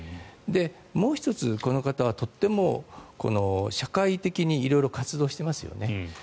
もう１つこの方はとても社会的に色々活動していますよね。